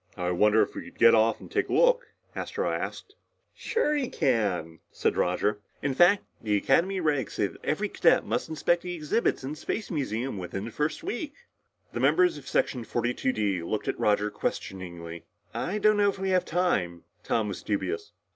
"I wonder if we could get off and take a look?" Astro asked. "Sure you can," said Roger. "In fact, the Academy regs say every cadet must inspect the exhibits in the space museum within the first week." The members of Section 42 D looked at Roger questioningly. "I don't know if we have time." Tom was dubious.